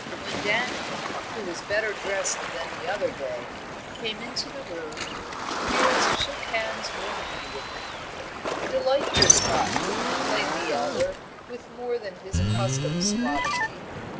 When Daniel who was better dressed than the other day came into the room, Piers shook hands warmly with him. "Delightful spot!" exclaimed the elder, with more than his accustomed suavity.